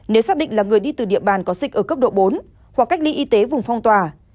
nếu xác định là người đi từ địa bàn có dịch ở cấp độ bốn hoặc cách ly y tế vùng phong tỏa